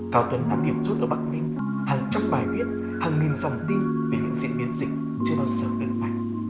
cao tuấn đã kiểm soát ở bắc minh hàng trăm bài viết hàng nghìn dòng tin về những diễn biến dịch chưa bao giờ được ảnh